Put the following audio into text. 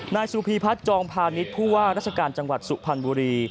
นายสุพีพัฒน์จองพาณิชย์ผู้ว่าราชการจังหวัดสุพรรณบุรี